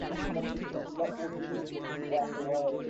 তাঁহার বাড়িতে মাঝে মাঝে মিশনরি মেয়েদের চা-পান সভা বসিত।